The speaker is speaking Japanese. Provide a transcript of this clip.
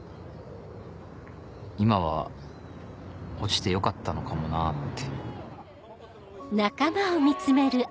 今は落ちてよかったのかもなって。